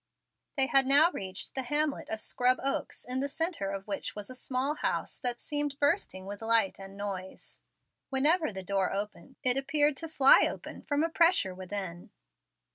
They had now reached the hamlet of Scrub Oaks, in the centre of which was a small house that seemed bursting with light and noise. Whenever the door opened it appeared to fly open from a pressure within.